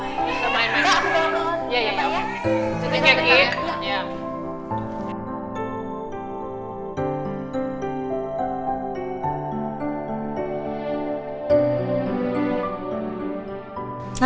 agara ini juga negara apa gue ga tahu apa yaa